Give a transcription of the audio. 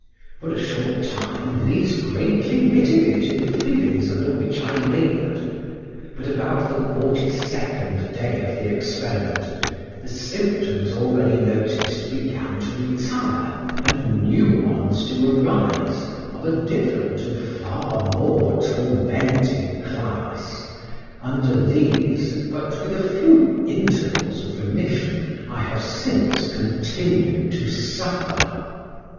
For a short time these greatly mitigated the feelings under which I laboured, but about the forty second day of the experiment the symptoms already noticed began to retire, and new ones to arise of a different and far more tormenting class; under these, but with a few intervals of remission, I have since continued to suffer.